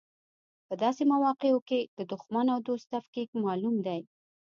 په داسې مواقعو کې د دوښمن او دوست تفکیک معلوم دی.